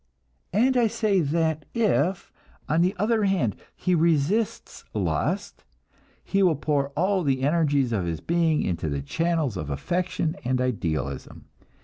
And I say that if, on the other hand, he resists lust, he will pour all the energies of his being into the channels of affection and idealism.